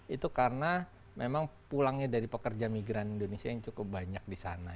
itu karena memang pulangnya dari pekerja migran indonesia yang cukup banyak di sana